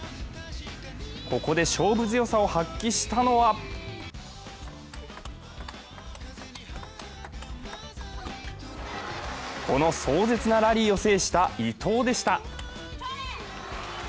ここで勝負強さを発揮したのはこの壮絶なラリーを制した伊藤でした。